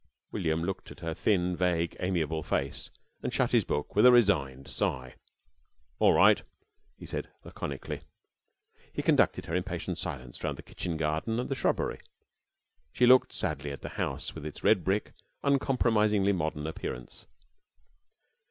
William looked at her thin, vague, amiable face, and shut his book with a resigned sigh. "All right," he said, laconically. He conducted her in patient silence round the kitchen garden and the shrubbery. She looked sadly at the house, with its red brick, uncompromisingly modern appearance.